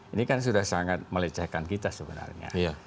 ini kan sudah sangat melecehkan kita sebenarnya